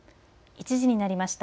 １時になりました。